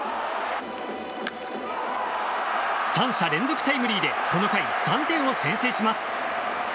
三者連続タイムリーでこの回３点を先制します。